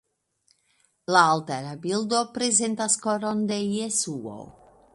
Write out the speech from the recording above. La altara bildo prezentas Koron de Jesuo.